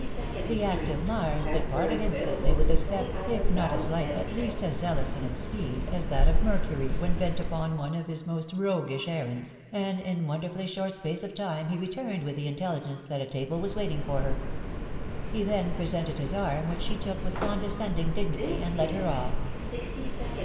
The active Mars departed instantly, with a step, if. not as light, at least as zealous in its speed, as that of Mercury when bent upon one of his most roguish errands, and in a prouder* fully short space of time he returned mxfcv. ^qa \Tft£&!$&&Kfc 'fcaax YjA THW WIDOW BAXXABY. a table was waiting for her. He then presented: which she took with condescending dignity, and led her off.